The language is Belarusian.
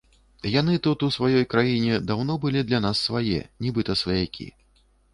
Яны тут, у сваёй краіне, даўно былі для нас свае, нібыта сваякі.